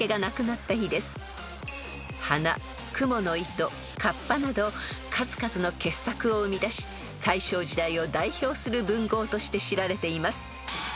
［『鼻』『蜘蛛の糸』『河童』など数々の傑作を生み出し大正時代を代表する文豪として知られています］